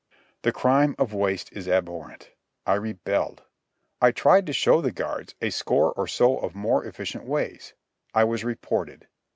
The crime of waste was abhorrent. I rebelled. I tried to show the guards a score or so of more efficient ways. I was reported.